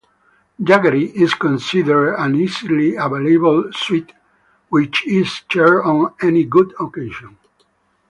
Jaggery is considered an easily available sweet which is shared on any good occasion.